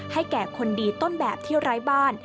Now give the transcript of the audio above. แก่คนดีต้นแบบที่ไร้บ้าน